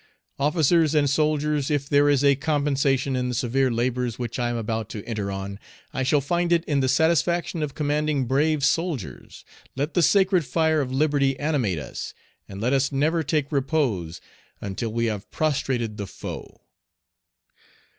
"Officers and soldiers, if there is a compensation in the severe labors which I am about to enter on, I shall find it in the satisfaction of commanding brave soldiers. Let the sacred fire of liberty animate us, and let us never take repose until we have prostrated the foe."